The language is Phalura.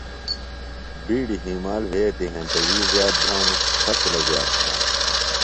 بِیڈیۡ ہیمال وھئتیۡ ہینتہ وِی زِیات بھانوۡ۔ فصلہ زِیات بھانہ۔